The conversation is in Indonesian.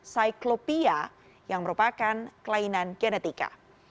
cyclopia yang merupakan kelainan genetika